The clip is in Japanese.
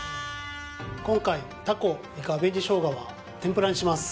今回タコイカ紅しょうがは天ぷらにします